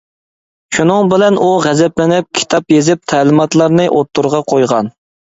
شۇنىڭ بىلەن ئۇ غەزەپلىنىپ، كىتاب يېزىپ تەلىماتلارنى ئوتتۇرىغا قويغان.